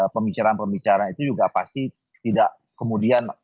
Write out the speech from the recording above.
pembicaraan pembicaraan itu juga pasti tidak kemudian